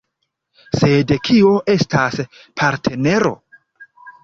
Sed kio estas partnero?